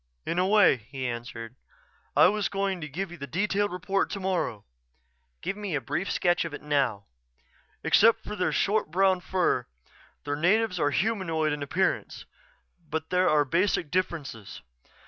"In a way," he answered. "I was going to give you the detailed report tomorrow." "Give me a brief sketch of it now." "Except for their short brown fur, the natives are humanoid in appearance. But there are basic differences.